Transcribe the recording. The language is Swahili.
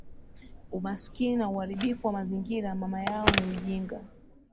Umaskini na uharibifu wa mazingira mama yao ni ujinga